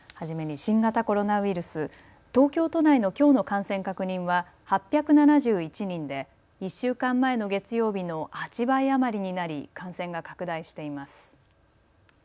初めに新型コロナウイルス、東京都内のきょうの感染確認は８７１人で１週間前の月曜日の８倍余りになり感染が拡大しています。